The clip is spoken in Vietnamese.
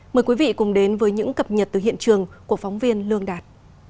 mời quý vị cùng đến với những cập nhật từ hiện trường của phóng viên lương đạt